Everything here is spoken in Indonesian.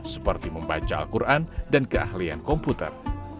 seperti membaca al quran dan keahlian komputer